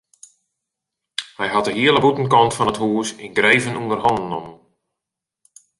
Hy hat de hiele bûtenkant fan it hûs yngreven ûnder hannen nommen.